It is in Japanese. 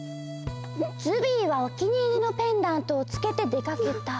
ズビーはお気に入りのペンダントをつけて出かけた。